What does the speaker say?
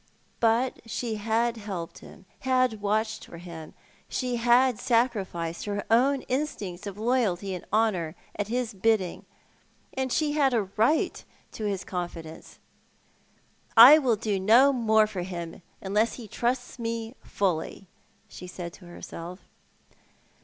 But she had helped him, had watched for him — she had sacrificed her own instincts of loyalty and honour at his bidding — and she had a right to his confidence. " I will do no more for him unless he trusts me fully," she said to herself.